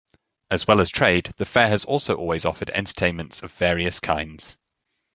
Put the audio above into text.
As well as trade, the fair has also always offered entertainments of various kinds.